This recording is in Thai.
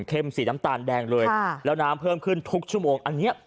สีน้ำตาลแดงเลยแล้วน้ำเพิ่มขึ้นทุกชั่วโมงอันเนี้ย